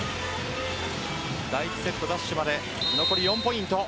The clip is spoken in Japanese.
第１セット奪取まで残り４ポイント。